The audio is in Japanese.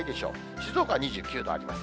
静岡は２９度あります。